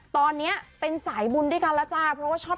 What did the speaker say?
ตอนนี้เป็นสายบุญด้วยกัน